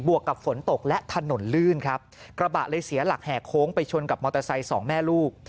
วกกับฝนตกและถนนลื่นครับกระบะเลยเสียหลักแห่โค้งไปชนกับมอเตอร์ไซค์สองแม่ลูก